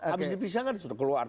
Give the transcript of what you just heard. habis diperiksa kan sudah keluar